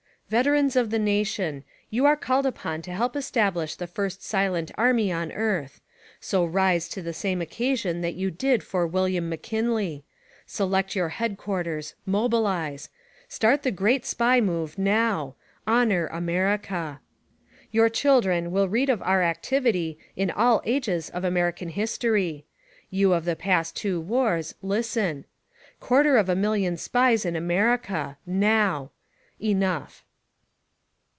Veterans of the nation ! You are called upon to help establish the first silent army on earth ; so rise to the same occasion that you did for "William McKinley." Select your headquarters. Mobilize. Start the great SPY MOVE — now ! Honor America. Your children will read of our activity in all ages of American history. You of the past two wars, listen: "Quarter of a million Spies in America — NOW. Enough!